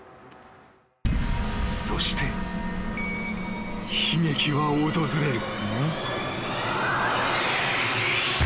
［そして悲劇は訪れる］